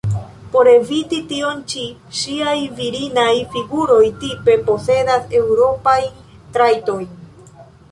Por eviti tion ĉi, ŝiaj virinaj figuroj tipe posedas eŭropajn trajtojn.